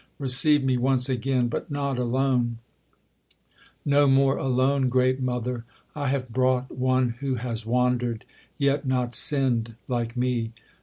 Receive me once again: but not alone; No more alone, Great Mother! I have brought One who has wandered, yet not sinned, like me.